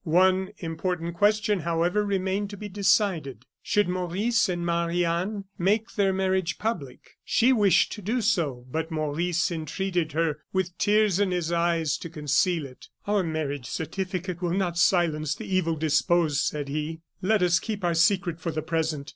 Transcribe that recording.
One important question, however, remained to be decided. Should Maurice and Marie Anne make their marriage public? She wished to do so, but Maurice entreated her, with tears in his eyes, to conceal it. "Our marriage certificate will not silence the evil disposed," said he. "Let us keep our secret for the present.